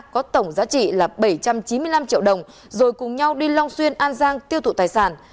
có tổng giá trị là bảy trăm chín mươi năm triệu đồng rồi cùng nhau đi long xuyên an giang tiêu thụ tài sản